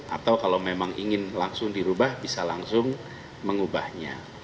atau kalau memang ingin langsung dirubah bisa langsung mengubahnya